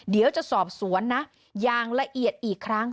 เดี๋ยวจะสอบสวนนะอย่างละเอียดอีกครั้ง